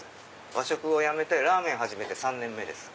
和食をやめてラーメン始めて３年目です。